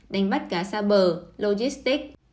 đánh bắt cá xa bờ logistics